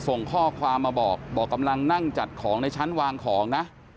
ส่งข้อความมาบอกบอกกำลังนั่งจัดของในชั้นวางของนะ